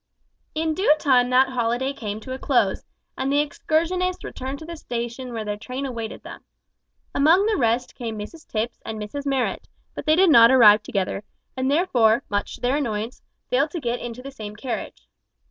In due time that holiday came to a close, and the excursionists returned to the station where their train awaited them. Among the rest came Mrs Tipps and Mrs Marrot, but they did not arrive together, and therefore, much to their annoyance, failed to get into the same carriage.